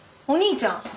お兄ちゃん。